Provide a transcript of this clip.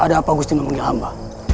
oppa gusti memang memilih hamba